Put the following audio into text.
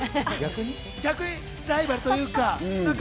逆にライバルというか。